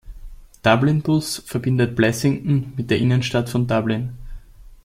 Dublin Bus verbindet Blessington mit der Innenstadt von Dublin.